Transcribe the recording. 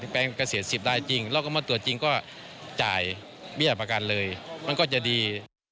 แปลงเกษตร๑๐ลายจริงแล้วเมื่อตรวจจริงก็จ่ายมีภาคประกันเลยมันก็จะดี